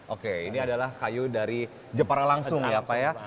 oke ini adalah kayu dari jepara langsung ya pak ya